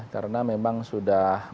karena memang sudah